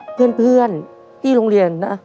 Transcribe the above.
เพื่อนที่โรงเรียนนะ